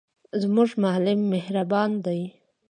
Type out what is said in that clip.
زموږ معلم مهربان دی.